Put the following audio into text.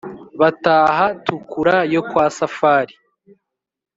Bataha Tukura yo kwa Safari;